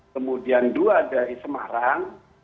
kemudian dua dari semarang